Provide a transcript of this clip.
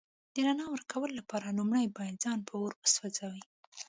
د رڼا ورکولو لپاره لومړی باید ځان په اور وسوځوئ.